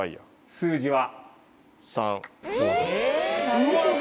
数字は？